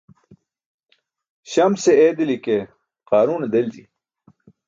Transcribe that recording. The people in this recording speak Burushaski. Śamse eedili ke qaaruune delji.